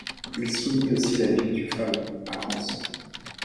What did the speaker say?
Il soumit aussi la ville du Faou à rançon.